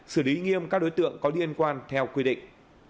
xử lý nghiêm các đối tượng có liên quan theo quy định